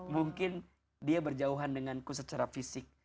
mungkin dia berjauhan denganku secara fisik